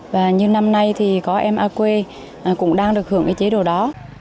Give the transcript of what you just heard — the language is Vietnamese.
và như năm nay thì có em a quê cũng đang được hưởng cái chế độ đó